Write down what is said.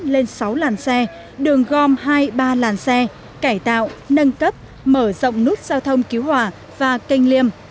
lên sáu làn xe đường gom hai mươi ba làn xe cải tạo nâng cấp mở rộng nút giao thông cứu hỏa và kênh liêm